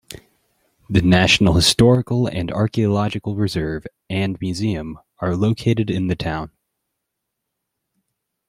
The National Historical and Archaeological Reserve and Museum are located in the town.